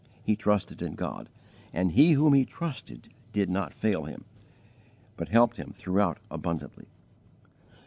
He trusted in God, and He whom he trusted did not fail him, but helped him throughout abundantly.